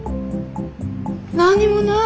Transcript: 何にもない！